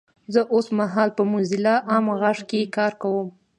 زه اوسمهال په موځیلا عام غږ کې کار کوم 😊!